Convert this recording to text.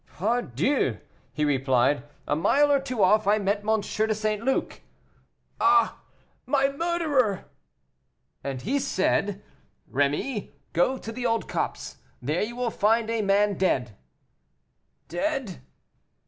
"Pardieu!" he replied, "a mile or two off I met M. de St. Luc " "Ah! my murderer." "And he said, 'Rémy, go to the old copse, there you will find a man dead.'" "Dead?"